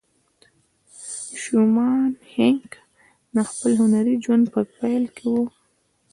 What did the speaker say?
شومان هينک د خپل هنري ژوند په پيل کې وه.